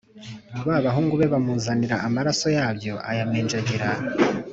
b Abahungu be bamuzanira amaraso yabyo ayaminjagira